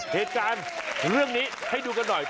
เหตุการณ์เรื่องนี้ให้ดูกันหน่อย